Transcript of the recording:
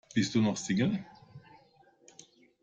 Bist du noch Single?